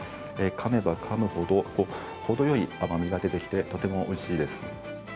かめばかむほど、ほどよい甘みが出てきて、とてもおいしいです。